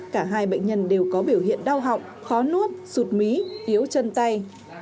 cả hai bệnh nhân đều có biểu hiện đau họng khó nuốt sụt mí yếu chân tay